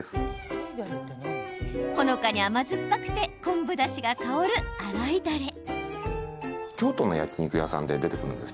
ほのかに甘酸っぱくて昆布だしが香る、洗いダレ。